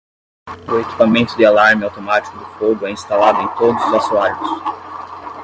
O equipamento de alarme automático do fogo é instalado em todos os assoalhos.